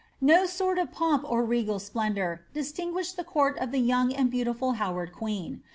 « No sort of pomp or regal splendour distinguished the court of tbe young and beautiful Howard queen.